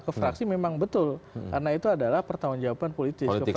kefraksi memang betul karena itu adalah pertanggungjawaban politik